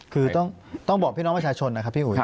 คือต้องบอกพี่น้องประชาชนนะครับพี่อุ๋ย